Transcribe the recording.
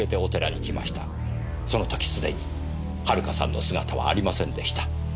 その時既に遥さんの姿はありませんでした。